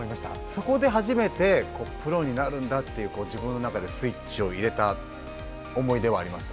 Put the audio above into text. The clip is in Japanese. そこで初めてプロになるんだって自分の中でスイッチを入れた思い出はありますね。